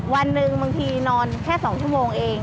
วันหนึ่งบางทีนอนแค่๒ชั่วโมงเอง